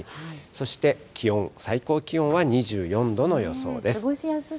そして気温、最高気温は２４度の予想です。